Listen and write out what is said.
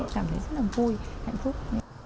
cảm thấy rất là vui hạnh phúc